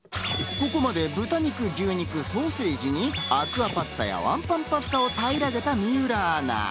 ここまで豚肉、牛肉、ソーセージにアクアパッツァやワンパンパスタをたいらげた水卜アナ。